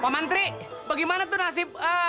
pak menteri bagaimana tuh nasib